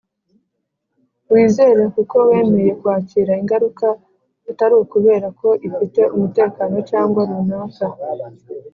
"wizere kuko wemeye kwakira ingaruka, atari ukubera ko ifite umutekano cyangwa runaka."